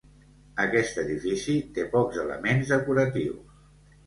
Aquest edifici té pocs elements decoratius.